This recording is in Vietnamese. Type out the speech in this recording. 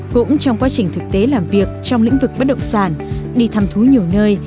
cũng trong quá trình thực tế làm việc trong lĩnh vực bất động sản đi thăm thú nhiều nơi